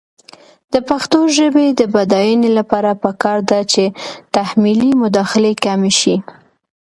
د پښتو ژبې د بډاینې لپاره پکار ده چې تحمیلي مداخلې کمې شي.